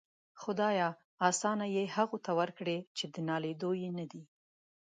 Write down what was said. خداىه! آسان دي هغو ته ورکړي چې د ناليدو يې ندې.